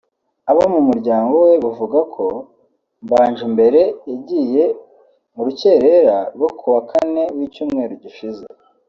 Abo mu muryango we buvuga ko Mbanjimbere yagiye mu rukerera rwo ku wa Kane w’icyumweru gishize